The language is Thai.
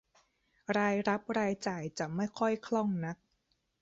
รายรับรายจ่ายจะไม่ค่อยคล่องนัก